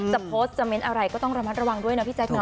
โพสต์จะเน้นอะไรก็ต้องระมัดระวังด้วยนะพี่แจ๊อ